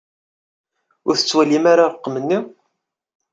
Ur tettwaliḍ ara rrqem-nni?